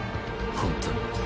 本当に。